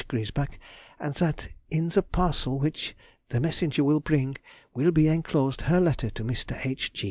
Griesbach, and that in the parcel which the messenger will bring will be enclosed her letter to Mr. H.